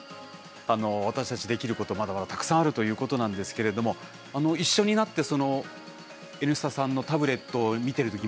私たちできることまだまだたくさんあるということなんですけれども一緒になって「Ｎスタ」さんのタブレットを見てるとき